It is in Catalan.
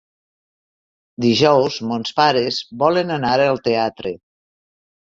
Dijous mons pares volen anar al teatre.